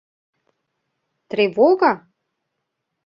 Тревога?